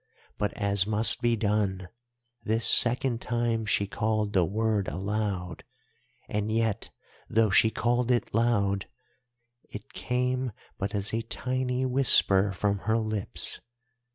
But, as must be done, this second time she called the Word aloud, and yet though she called it loud, it came but as a tiny whisper from her lips.